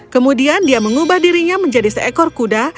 kemudian dia mengubah dirinya menjadi seekor kuda